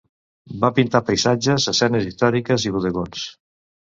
Va pintar paisatges, escenes històriques i bodegons.